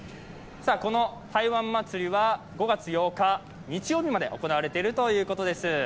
この台湾祭は５月８日日曜日まで行われているということです。